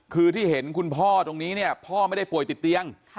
คือที่เห็นคุณพ่อตรงนี้เนี่ยพ่อไม่ได้ป่วยติดเตียง